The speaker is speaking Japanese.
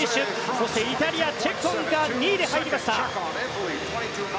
そしてイタリア、チェッコンが２位で入りました。